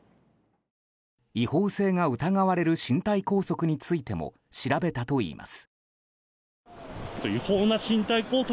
違法性が疑われる身体拘束についても調べたといいます。